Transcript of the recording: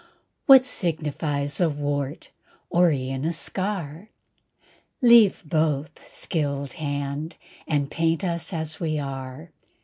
What signifies a wart, or e'en a scar? Leave both, skilled hand, and paint us as we are.